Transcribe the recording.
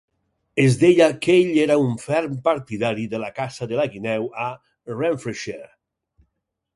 Es deia que ell era un ferm partidari de la caça de la guineu a Renfrewshire.